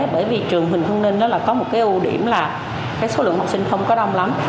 bởi vì trường huỳnh thương ninh có một ưu điểm là số lượng học sinh không có đông lắm